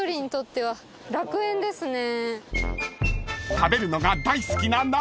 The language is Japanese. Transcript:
［食べるのが大好きな奈緒さん］